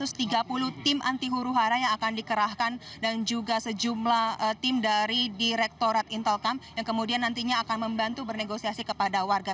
ya alfira di sini ada kurang lebih empat ratus tiga puluh tim anti huru hara yang akan dikerahkan dan juga sejumlah tim dari direktorat intelkamp yang kemudian nantinya akan membantu bernegosiasi kepada warga